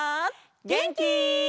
げんき？